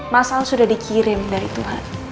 mas al sudah dikirim dari tuhan